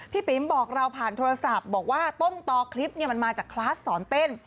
ปิ๋มบอกเราผ่านโทรศัพท์บอกว่าต้นตอคลิปมันมาจากคลาสสอนเต้น